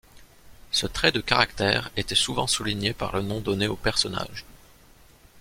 Ce trait de caractère était souvent souligné par le nom donné au personnage.